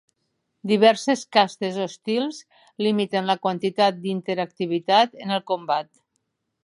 Diverses castes hostils limiten la quantitat d'interactivitat en el combat.